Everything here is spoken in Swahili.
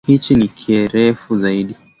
Kiti hichi ni kerufu zaidi